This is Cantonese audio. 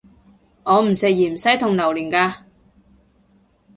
我唔食芫茜同榴連架